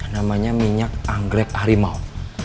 namanya minyak anggrek harimau